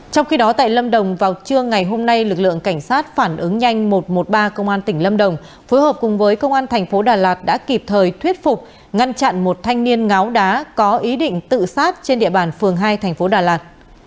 trong khi đó tại lâm đồng vào trưa ngày hôm nay lực lượng cảnh sát phản ứng nhanh một trăm một mươi ba công an tỉnh lâm đồng phối hợp cùng với công an thành phố đà lạt đã kịp thời thuyết phục ngăn chặn một thanh niên ngáo đá có ý định tự sát trên địa bàn phường hai thành phố đà lạt